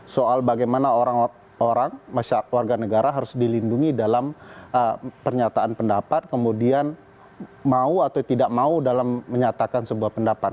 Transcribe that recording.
soal bagaimana orang orang warga negara harus dilindungi dalam pernyataan pendapat kemudian mau atau tidak mau dalam menyatakan sebuah pendapat